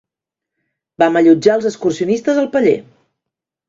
Vam allotjar els excursionistes al paller.